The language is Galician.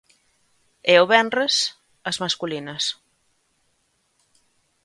E o venres as masculinas.